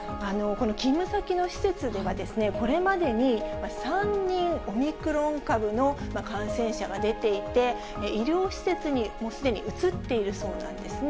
この勤務先の施設では、これまでに３人、オミクロン株の感染者が出ていて、医療施設にもうすでに移っているそうなんですね。